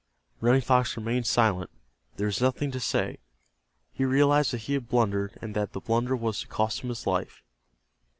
Running Fox remained silent. There was nothing to say. He realized that he had blundered, and that the blunder was to cost him his life.